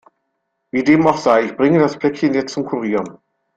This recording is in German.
Wie dem auch sei, ich bringe das Päckchen jetzt zum Kurier.